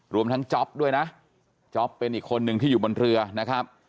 รวมทั้งจ๊อปด้วยนะจ๊อปเป็นอีกคนนึงที่อยู่บนเรือนะครับ